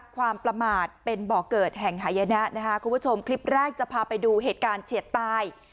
ความประมาทเป็นบ่อเกิดแห่งหายนะคุณผู้ชมคลิปแรกจะพาไปดูเหตุการณ์เฉียดตาย